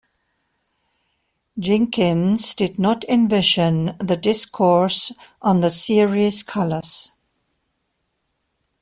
Jinkins did not envision this discourse on the series' colors.